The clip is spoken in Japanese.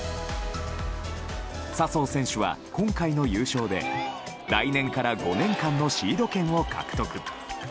笹生選手は今回の優勝で来年から５年間のシード権を獲得。